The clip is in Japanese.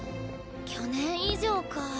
去年以上かあ。